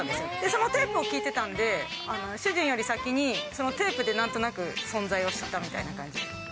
そのテープを聴いてたんで、主人より先に、そのテープでなんとなく存在を知ったみたいな感じで。